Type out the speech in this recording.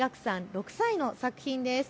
６歳の作品です。